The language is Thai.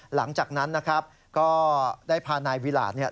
หลังจากนั้นนะครับก็ได้พานายวิราชเนี่ย